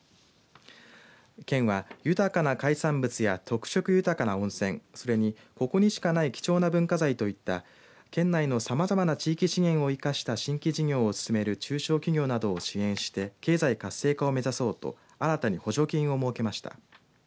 県は豊かな海産物や特色豊かな温泉、それにここにしかない貴重な文化財といった県内のさまざまな地域資源を生かした新規事業を進める中小企業などを支援して経済活性化を目指そうと新たに補助金を設けました。